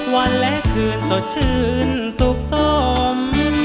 วันและคืนสดชื่นสุขสม